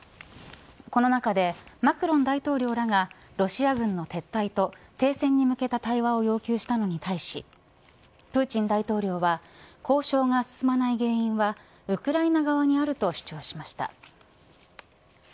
この中でマクロン大統領らがロシア軍の撤退と停戦に向けた対話を要求したのに対しプーチン大統領は交渉が進まない原因はウクライナ側にあると主張しました。